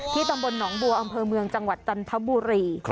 ตำบลหนองบัวอำเภอเมืองจังหวัดจันทบุรี